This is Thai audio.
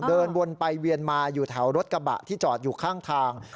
เดินวนไปเวียนมาอยู่แถวรถกระบะที่จอดอยู่ข้างทาง